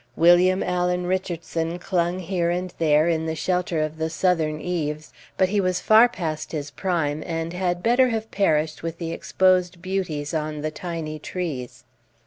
William Allen Richardson clung here and there, in the shelter of the southern eaves, but he was far past his prime, and had better have perished with the exposed beauties on the tiny trees.